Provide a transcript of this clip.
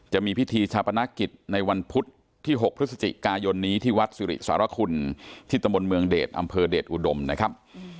จะมีพิธีชาปนกิจในวันพุธที่๖พฤศจิกายนนี้ที่วัดสิริสารคุณที่ตำบลเมืองเดชอำเภอเดชอุดมนะครับ